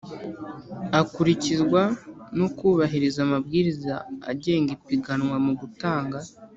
akurikizwa no kubahiriza amabwiriza agenga ipiganwa mu gutanga